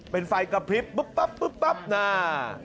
เป็นไฟกระพริบปุ๊บปั๊บปุ๊บปั๊บหน้า